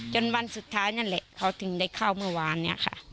วันสุดท้ายนั่นแหละเขาถึงได้เข้าเมื่อวานนี้ค่ะ